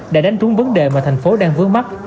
để đánh trúng vấn đề mà thành phố đang vướng mắt